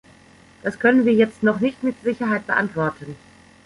Das können wir jetzt noch nicht mit Sicherheit beantworten.